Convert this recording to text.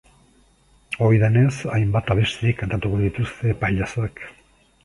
Ohi denez, hainbat abesti kantatuko dituzte pailazoek.